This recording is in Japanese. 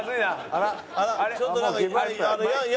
あれ？